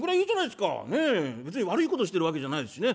別に悪いことしてるわけじゃないしね。